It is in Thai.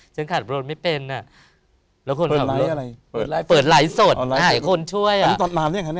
ฉันขาดบรสไม่เป็นน่ะเปิดไลค์สดหายคนช่วยตอนนั้นอย่างไร